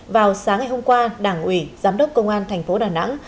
vào sáng ngày hôm qua đảng ủy giám đốc công an thành phố đà nẵng